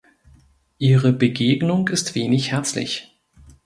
Ihre Begegnung ist wenig herzlich.